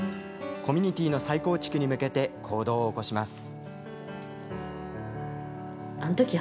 コミュニティーの再構築に向けて行動を起こします。